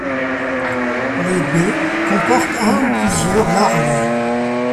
Les baies comportent un ou plusieurs larmiers.